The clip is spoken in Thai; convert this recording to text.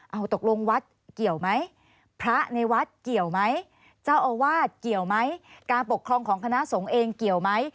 เอาตกลงวัดเกี่ยวไหมพระในวัดเกี่ยวไหมเจ้าอาวาสเกี่ยวไหมการปกครองของคณะสงฆ์เองเกี่ยวไหม